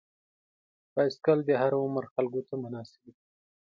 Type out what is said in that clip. بایسکل د هر عمر خلکو ته مناسب دی.